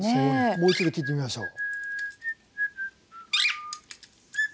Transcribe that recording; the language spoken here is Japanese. もう一度聴いてみましょう。